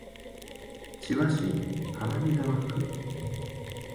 千葉市花見川区